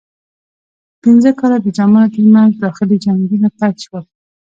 پنځه کاله د زامنو ترمنځ داخلي جنګونه پیل شول.